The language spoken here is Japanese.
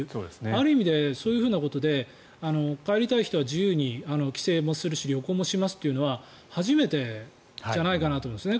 ある意味で、そういうことで帰りたい人は自由に帰省もするし旅行もしますというのは初めてじゃないかなと思うんです